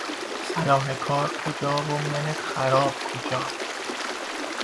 صلاح کار کجا و من خراب کجا